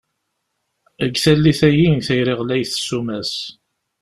Deg tallit-agi, tayri ɣlayet ssuma-s!